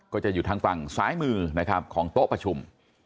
ก็จะอยู่ทางฝั่งซ้ายมือนะครับของโต๊ะประชุม